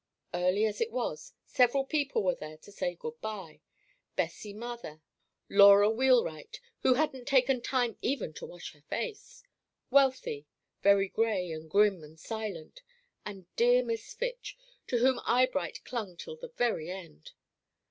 Early as it was, several people were there to say good by, Bessie Mather, Laura Wheelwright, who hadn't taken time even to wash her face, Wealthy, very gray and grim and silent, and dear Miss Fitch, to whom Eyebright clung till the very end.